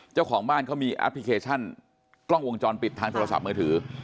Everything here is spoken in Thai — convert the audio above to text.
เจ้าของบ้านเขามีแอปพลิเคชันกล้องวงจรปิดทางโทรศัพท์มือถือ